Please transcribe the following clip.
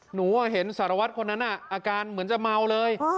หนูเห็นสารวัตรคนนั้นอาการเหมือนจะเมาเลย